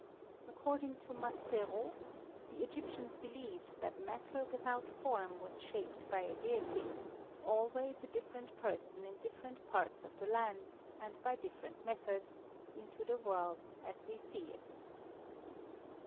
According to Ma spero, the Egyptians believed that matter without form was shaped by a deity, always a different person in differ ent parts of the land and by different methods, into the world as we see it.